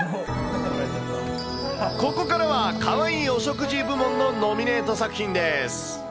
ここからは、かわいいお食事部門のノミネート作品です。